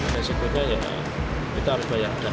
dan segera ya kita harus bayangkan